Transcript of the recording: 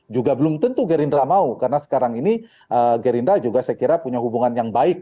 juga belum tentu gerindra mau karena sekarang ini gerindra juga saya kira punya hubungan yang baik